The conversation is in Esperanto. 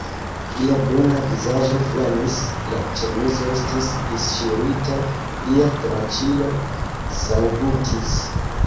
Lia bruna vizaĝo flamis, la ĉemizo estis disŝirita, lia tranĉilo sanggutis.